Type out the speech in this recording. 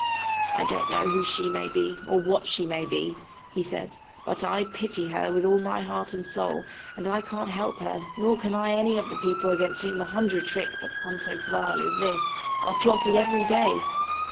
'I don't know who she may be, or what she may be,' he said: 'but I pity her with all my heart and soul; and I can't help her, nor can I any of the people against whom a hundred tricks, but none so vile as this, are plotted every day!